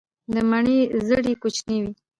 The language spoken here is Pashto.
د مڼې زړې کوچنۍ وي.